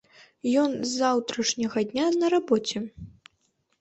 Ён з заўтрашняга дня на рабоце.